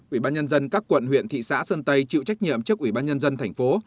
ủy ban nhân dân các quận huyện thị xã sơn tây chịu trách nhiệm trước ủy ban nhân dân thành phố